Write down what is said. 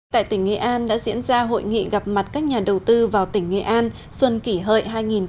tại tỉnh nghệ an đã diễn ra hội nghị gặp mặt các nhà đầu tư vào tỉnh nghệ an xuân kỷ hợi hai nghìn một mươi chín